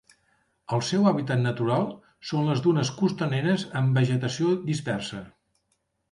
El seu hàbitat natural són les dunes costaneres amb vegetació dispersa.